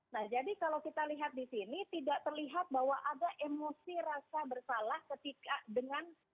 nah jadi kalau kita lihat di sini tidak terlihat bahwa ada emosi rasa bersalah ketika dengan